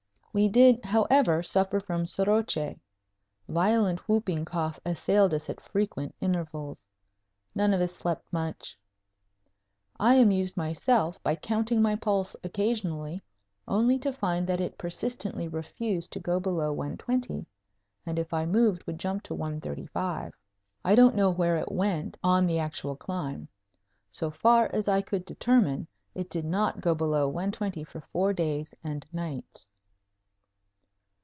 We did, however, suffer from soroche. Violent whooping cough assailed us at frequent intervals. None of us slept much. I amused myself by counting my pulse occasionally, only to find that it persistently refused to go below 120, and if I moved would jump up to 135. I don't know where it went on the actual climb. So far as I could determine, it did not go below 120 for four days and nights.